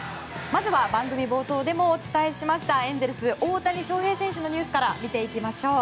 まずは番組冒頭でもお伝えしましたエンゼルス、大谷翔平選手のニュースから見ていきましょう。